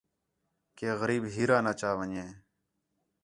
کہ غریب ہیرا نا چا ون٘ڄے